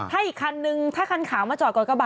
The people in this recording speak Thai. ถ้าอีกคันนึงถ้าคันขาวมาจอดก่อนกระบะ